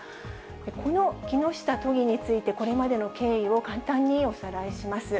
この木下都議について、これまでの経緯を簡単におさらいします。